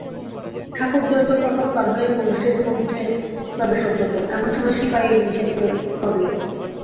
ঠাকুরদ্বয় তো ফটক পার হয়ে মসজেদ মধ্যে প্রবেশোদ্যত, এমন সময় সিপাহী নিষেধ করলে।